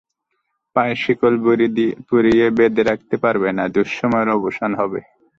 পায়ে শিকল বেড়ি পরিয়ে বেঁধে রাখতে পারবে না, দুঃসময়ের অবসান হবে।